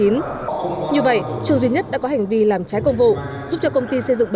như vậy trường duy nhất đã có hành vi làm trái công vụ giúp cho công ty xây dựng bảy